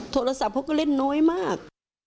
โทรศัพท์เขาก็เล่นน้อยมาก